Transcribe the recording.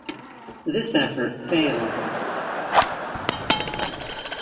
This effort failed.